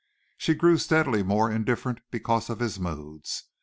She grew steadily more indifferent because of his moods.